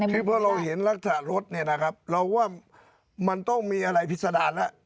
คือเพราะเราเห็นรักษารถเนี่ยนะครับเราก็ว่ามันต้องมีอะไรพิสดาลล่ะ